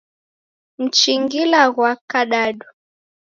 Mchinjila ghwa kadadu